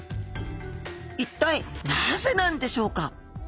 一体なぜなんでしょうか？